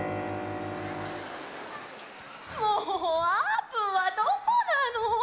もうあーぷんはどこなの？